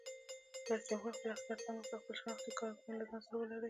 رئیس جمهور خپلو عسکرو ته امر وکړ؛ خپل شناختي کارتونه له ځان سره ولرئ!